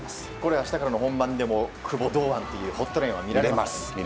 明日からの本番でも久保と堂安のホットラインは見られますか？